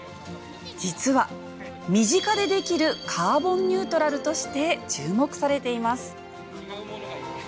実は身近でできるカーボンニュートラルとして注目されています。